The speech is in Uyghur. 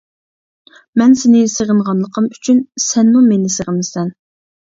مەن سېنى سېغىنغانلىقىم ئۈچۈن سەنمۇ مېنى سېغىنىسەن!